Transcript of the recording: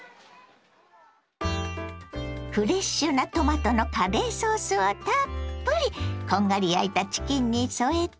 フレッシュなトマトのカレーソースをたっぷりこんがり焼いたチキンに添えて。